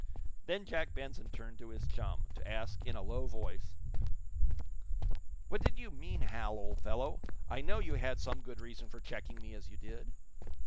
Then Jack Benson turned to his chum, to ask, in a low voice: "What did you mean, Hal, old fellow? I know you had some good reason for checking me as you did."